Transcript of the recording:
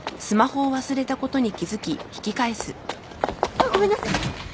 あっごめんなさい。